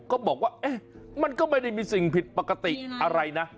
ก็บอกว่ามันก็ไม่ได้มีสิ่งผิดปกติอะไรนะ